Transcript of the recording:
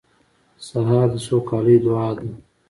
سهار د سوکالۍ دعا ده.